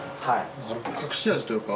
隠し味というか。